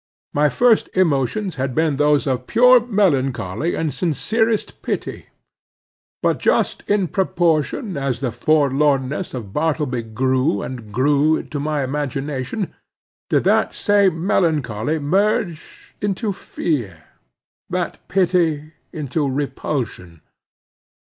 My first emotions had been those of pure melancholy and sincerest pity; but just in proportion as the forlornness of Bartleby grew and grew to my imagination, did that same melancholy merge into fear, that pity into repulsion.